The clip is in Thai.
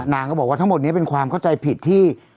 นางก็บอกว่าทั้งหมดนี้เป็นความเข้าใจผิดที่